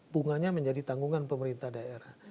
bunganya menjadi tanggungan pemerintah daerah